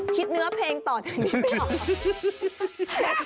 คิดเนื้อเพลงต่อจากนี้ไม่ออก